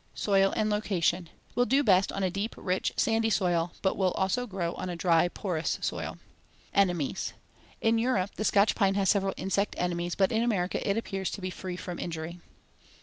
Soil and location: Will do best on a deep, rich, sandy soil, but will also grow on a dry, porous soil. Enemies: In Europe the Scotch pine has several insect enemies, but in America it appears to be free from injury.